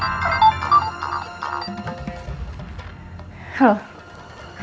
jangan berbicara sama mereka